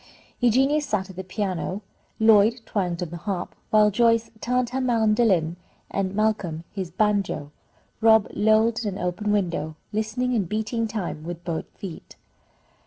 Eugenia sat at the piano, Lloyd twanged on the harp, while Joyce tuned her mandolin and Malcolm his banjo. Rob lolled in an open window, listening, and beating time with both feet.